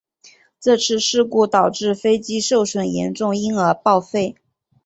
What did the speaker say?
这次事故导致飞机受损严重因而报废。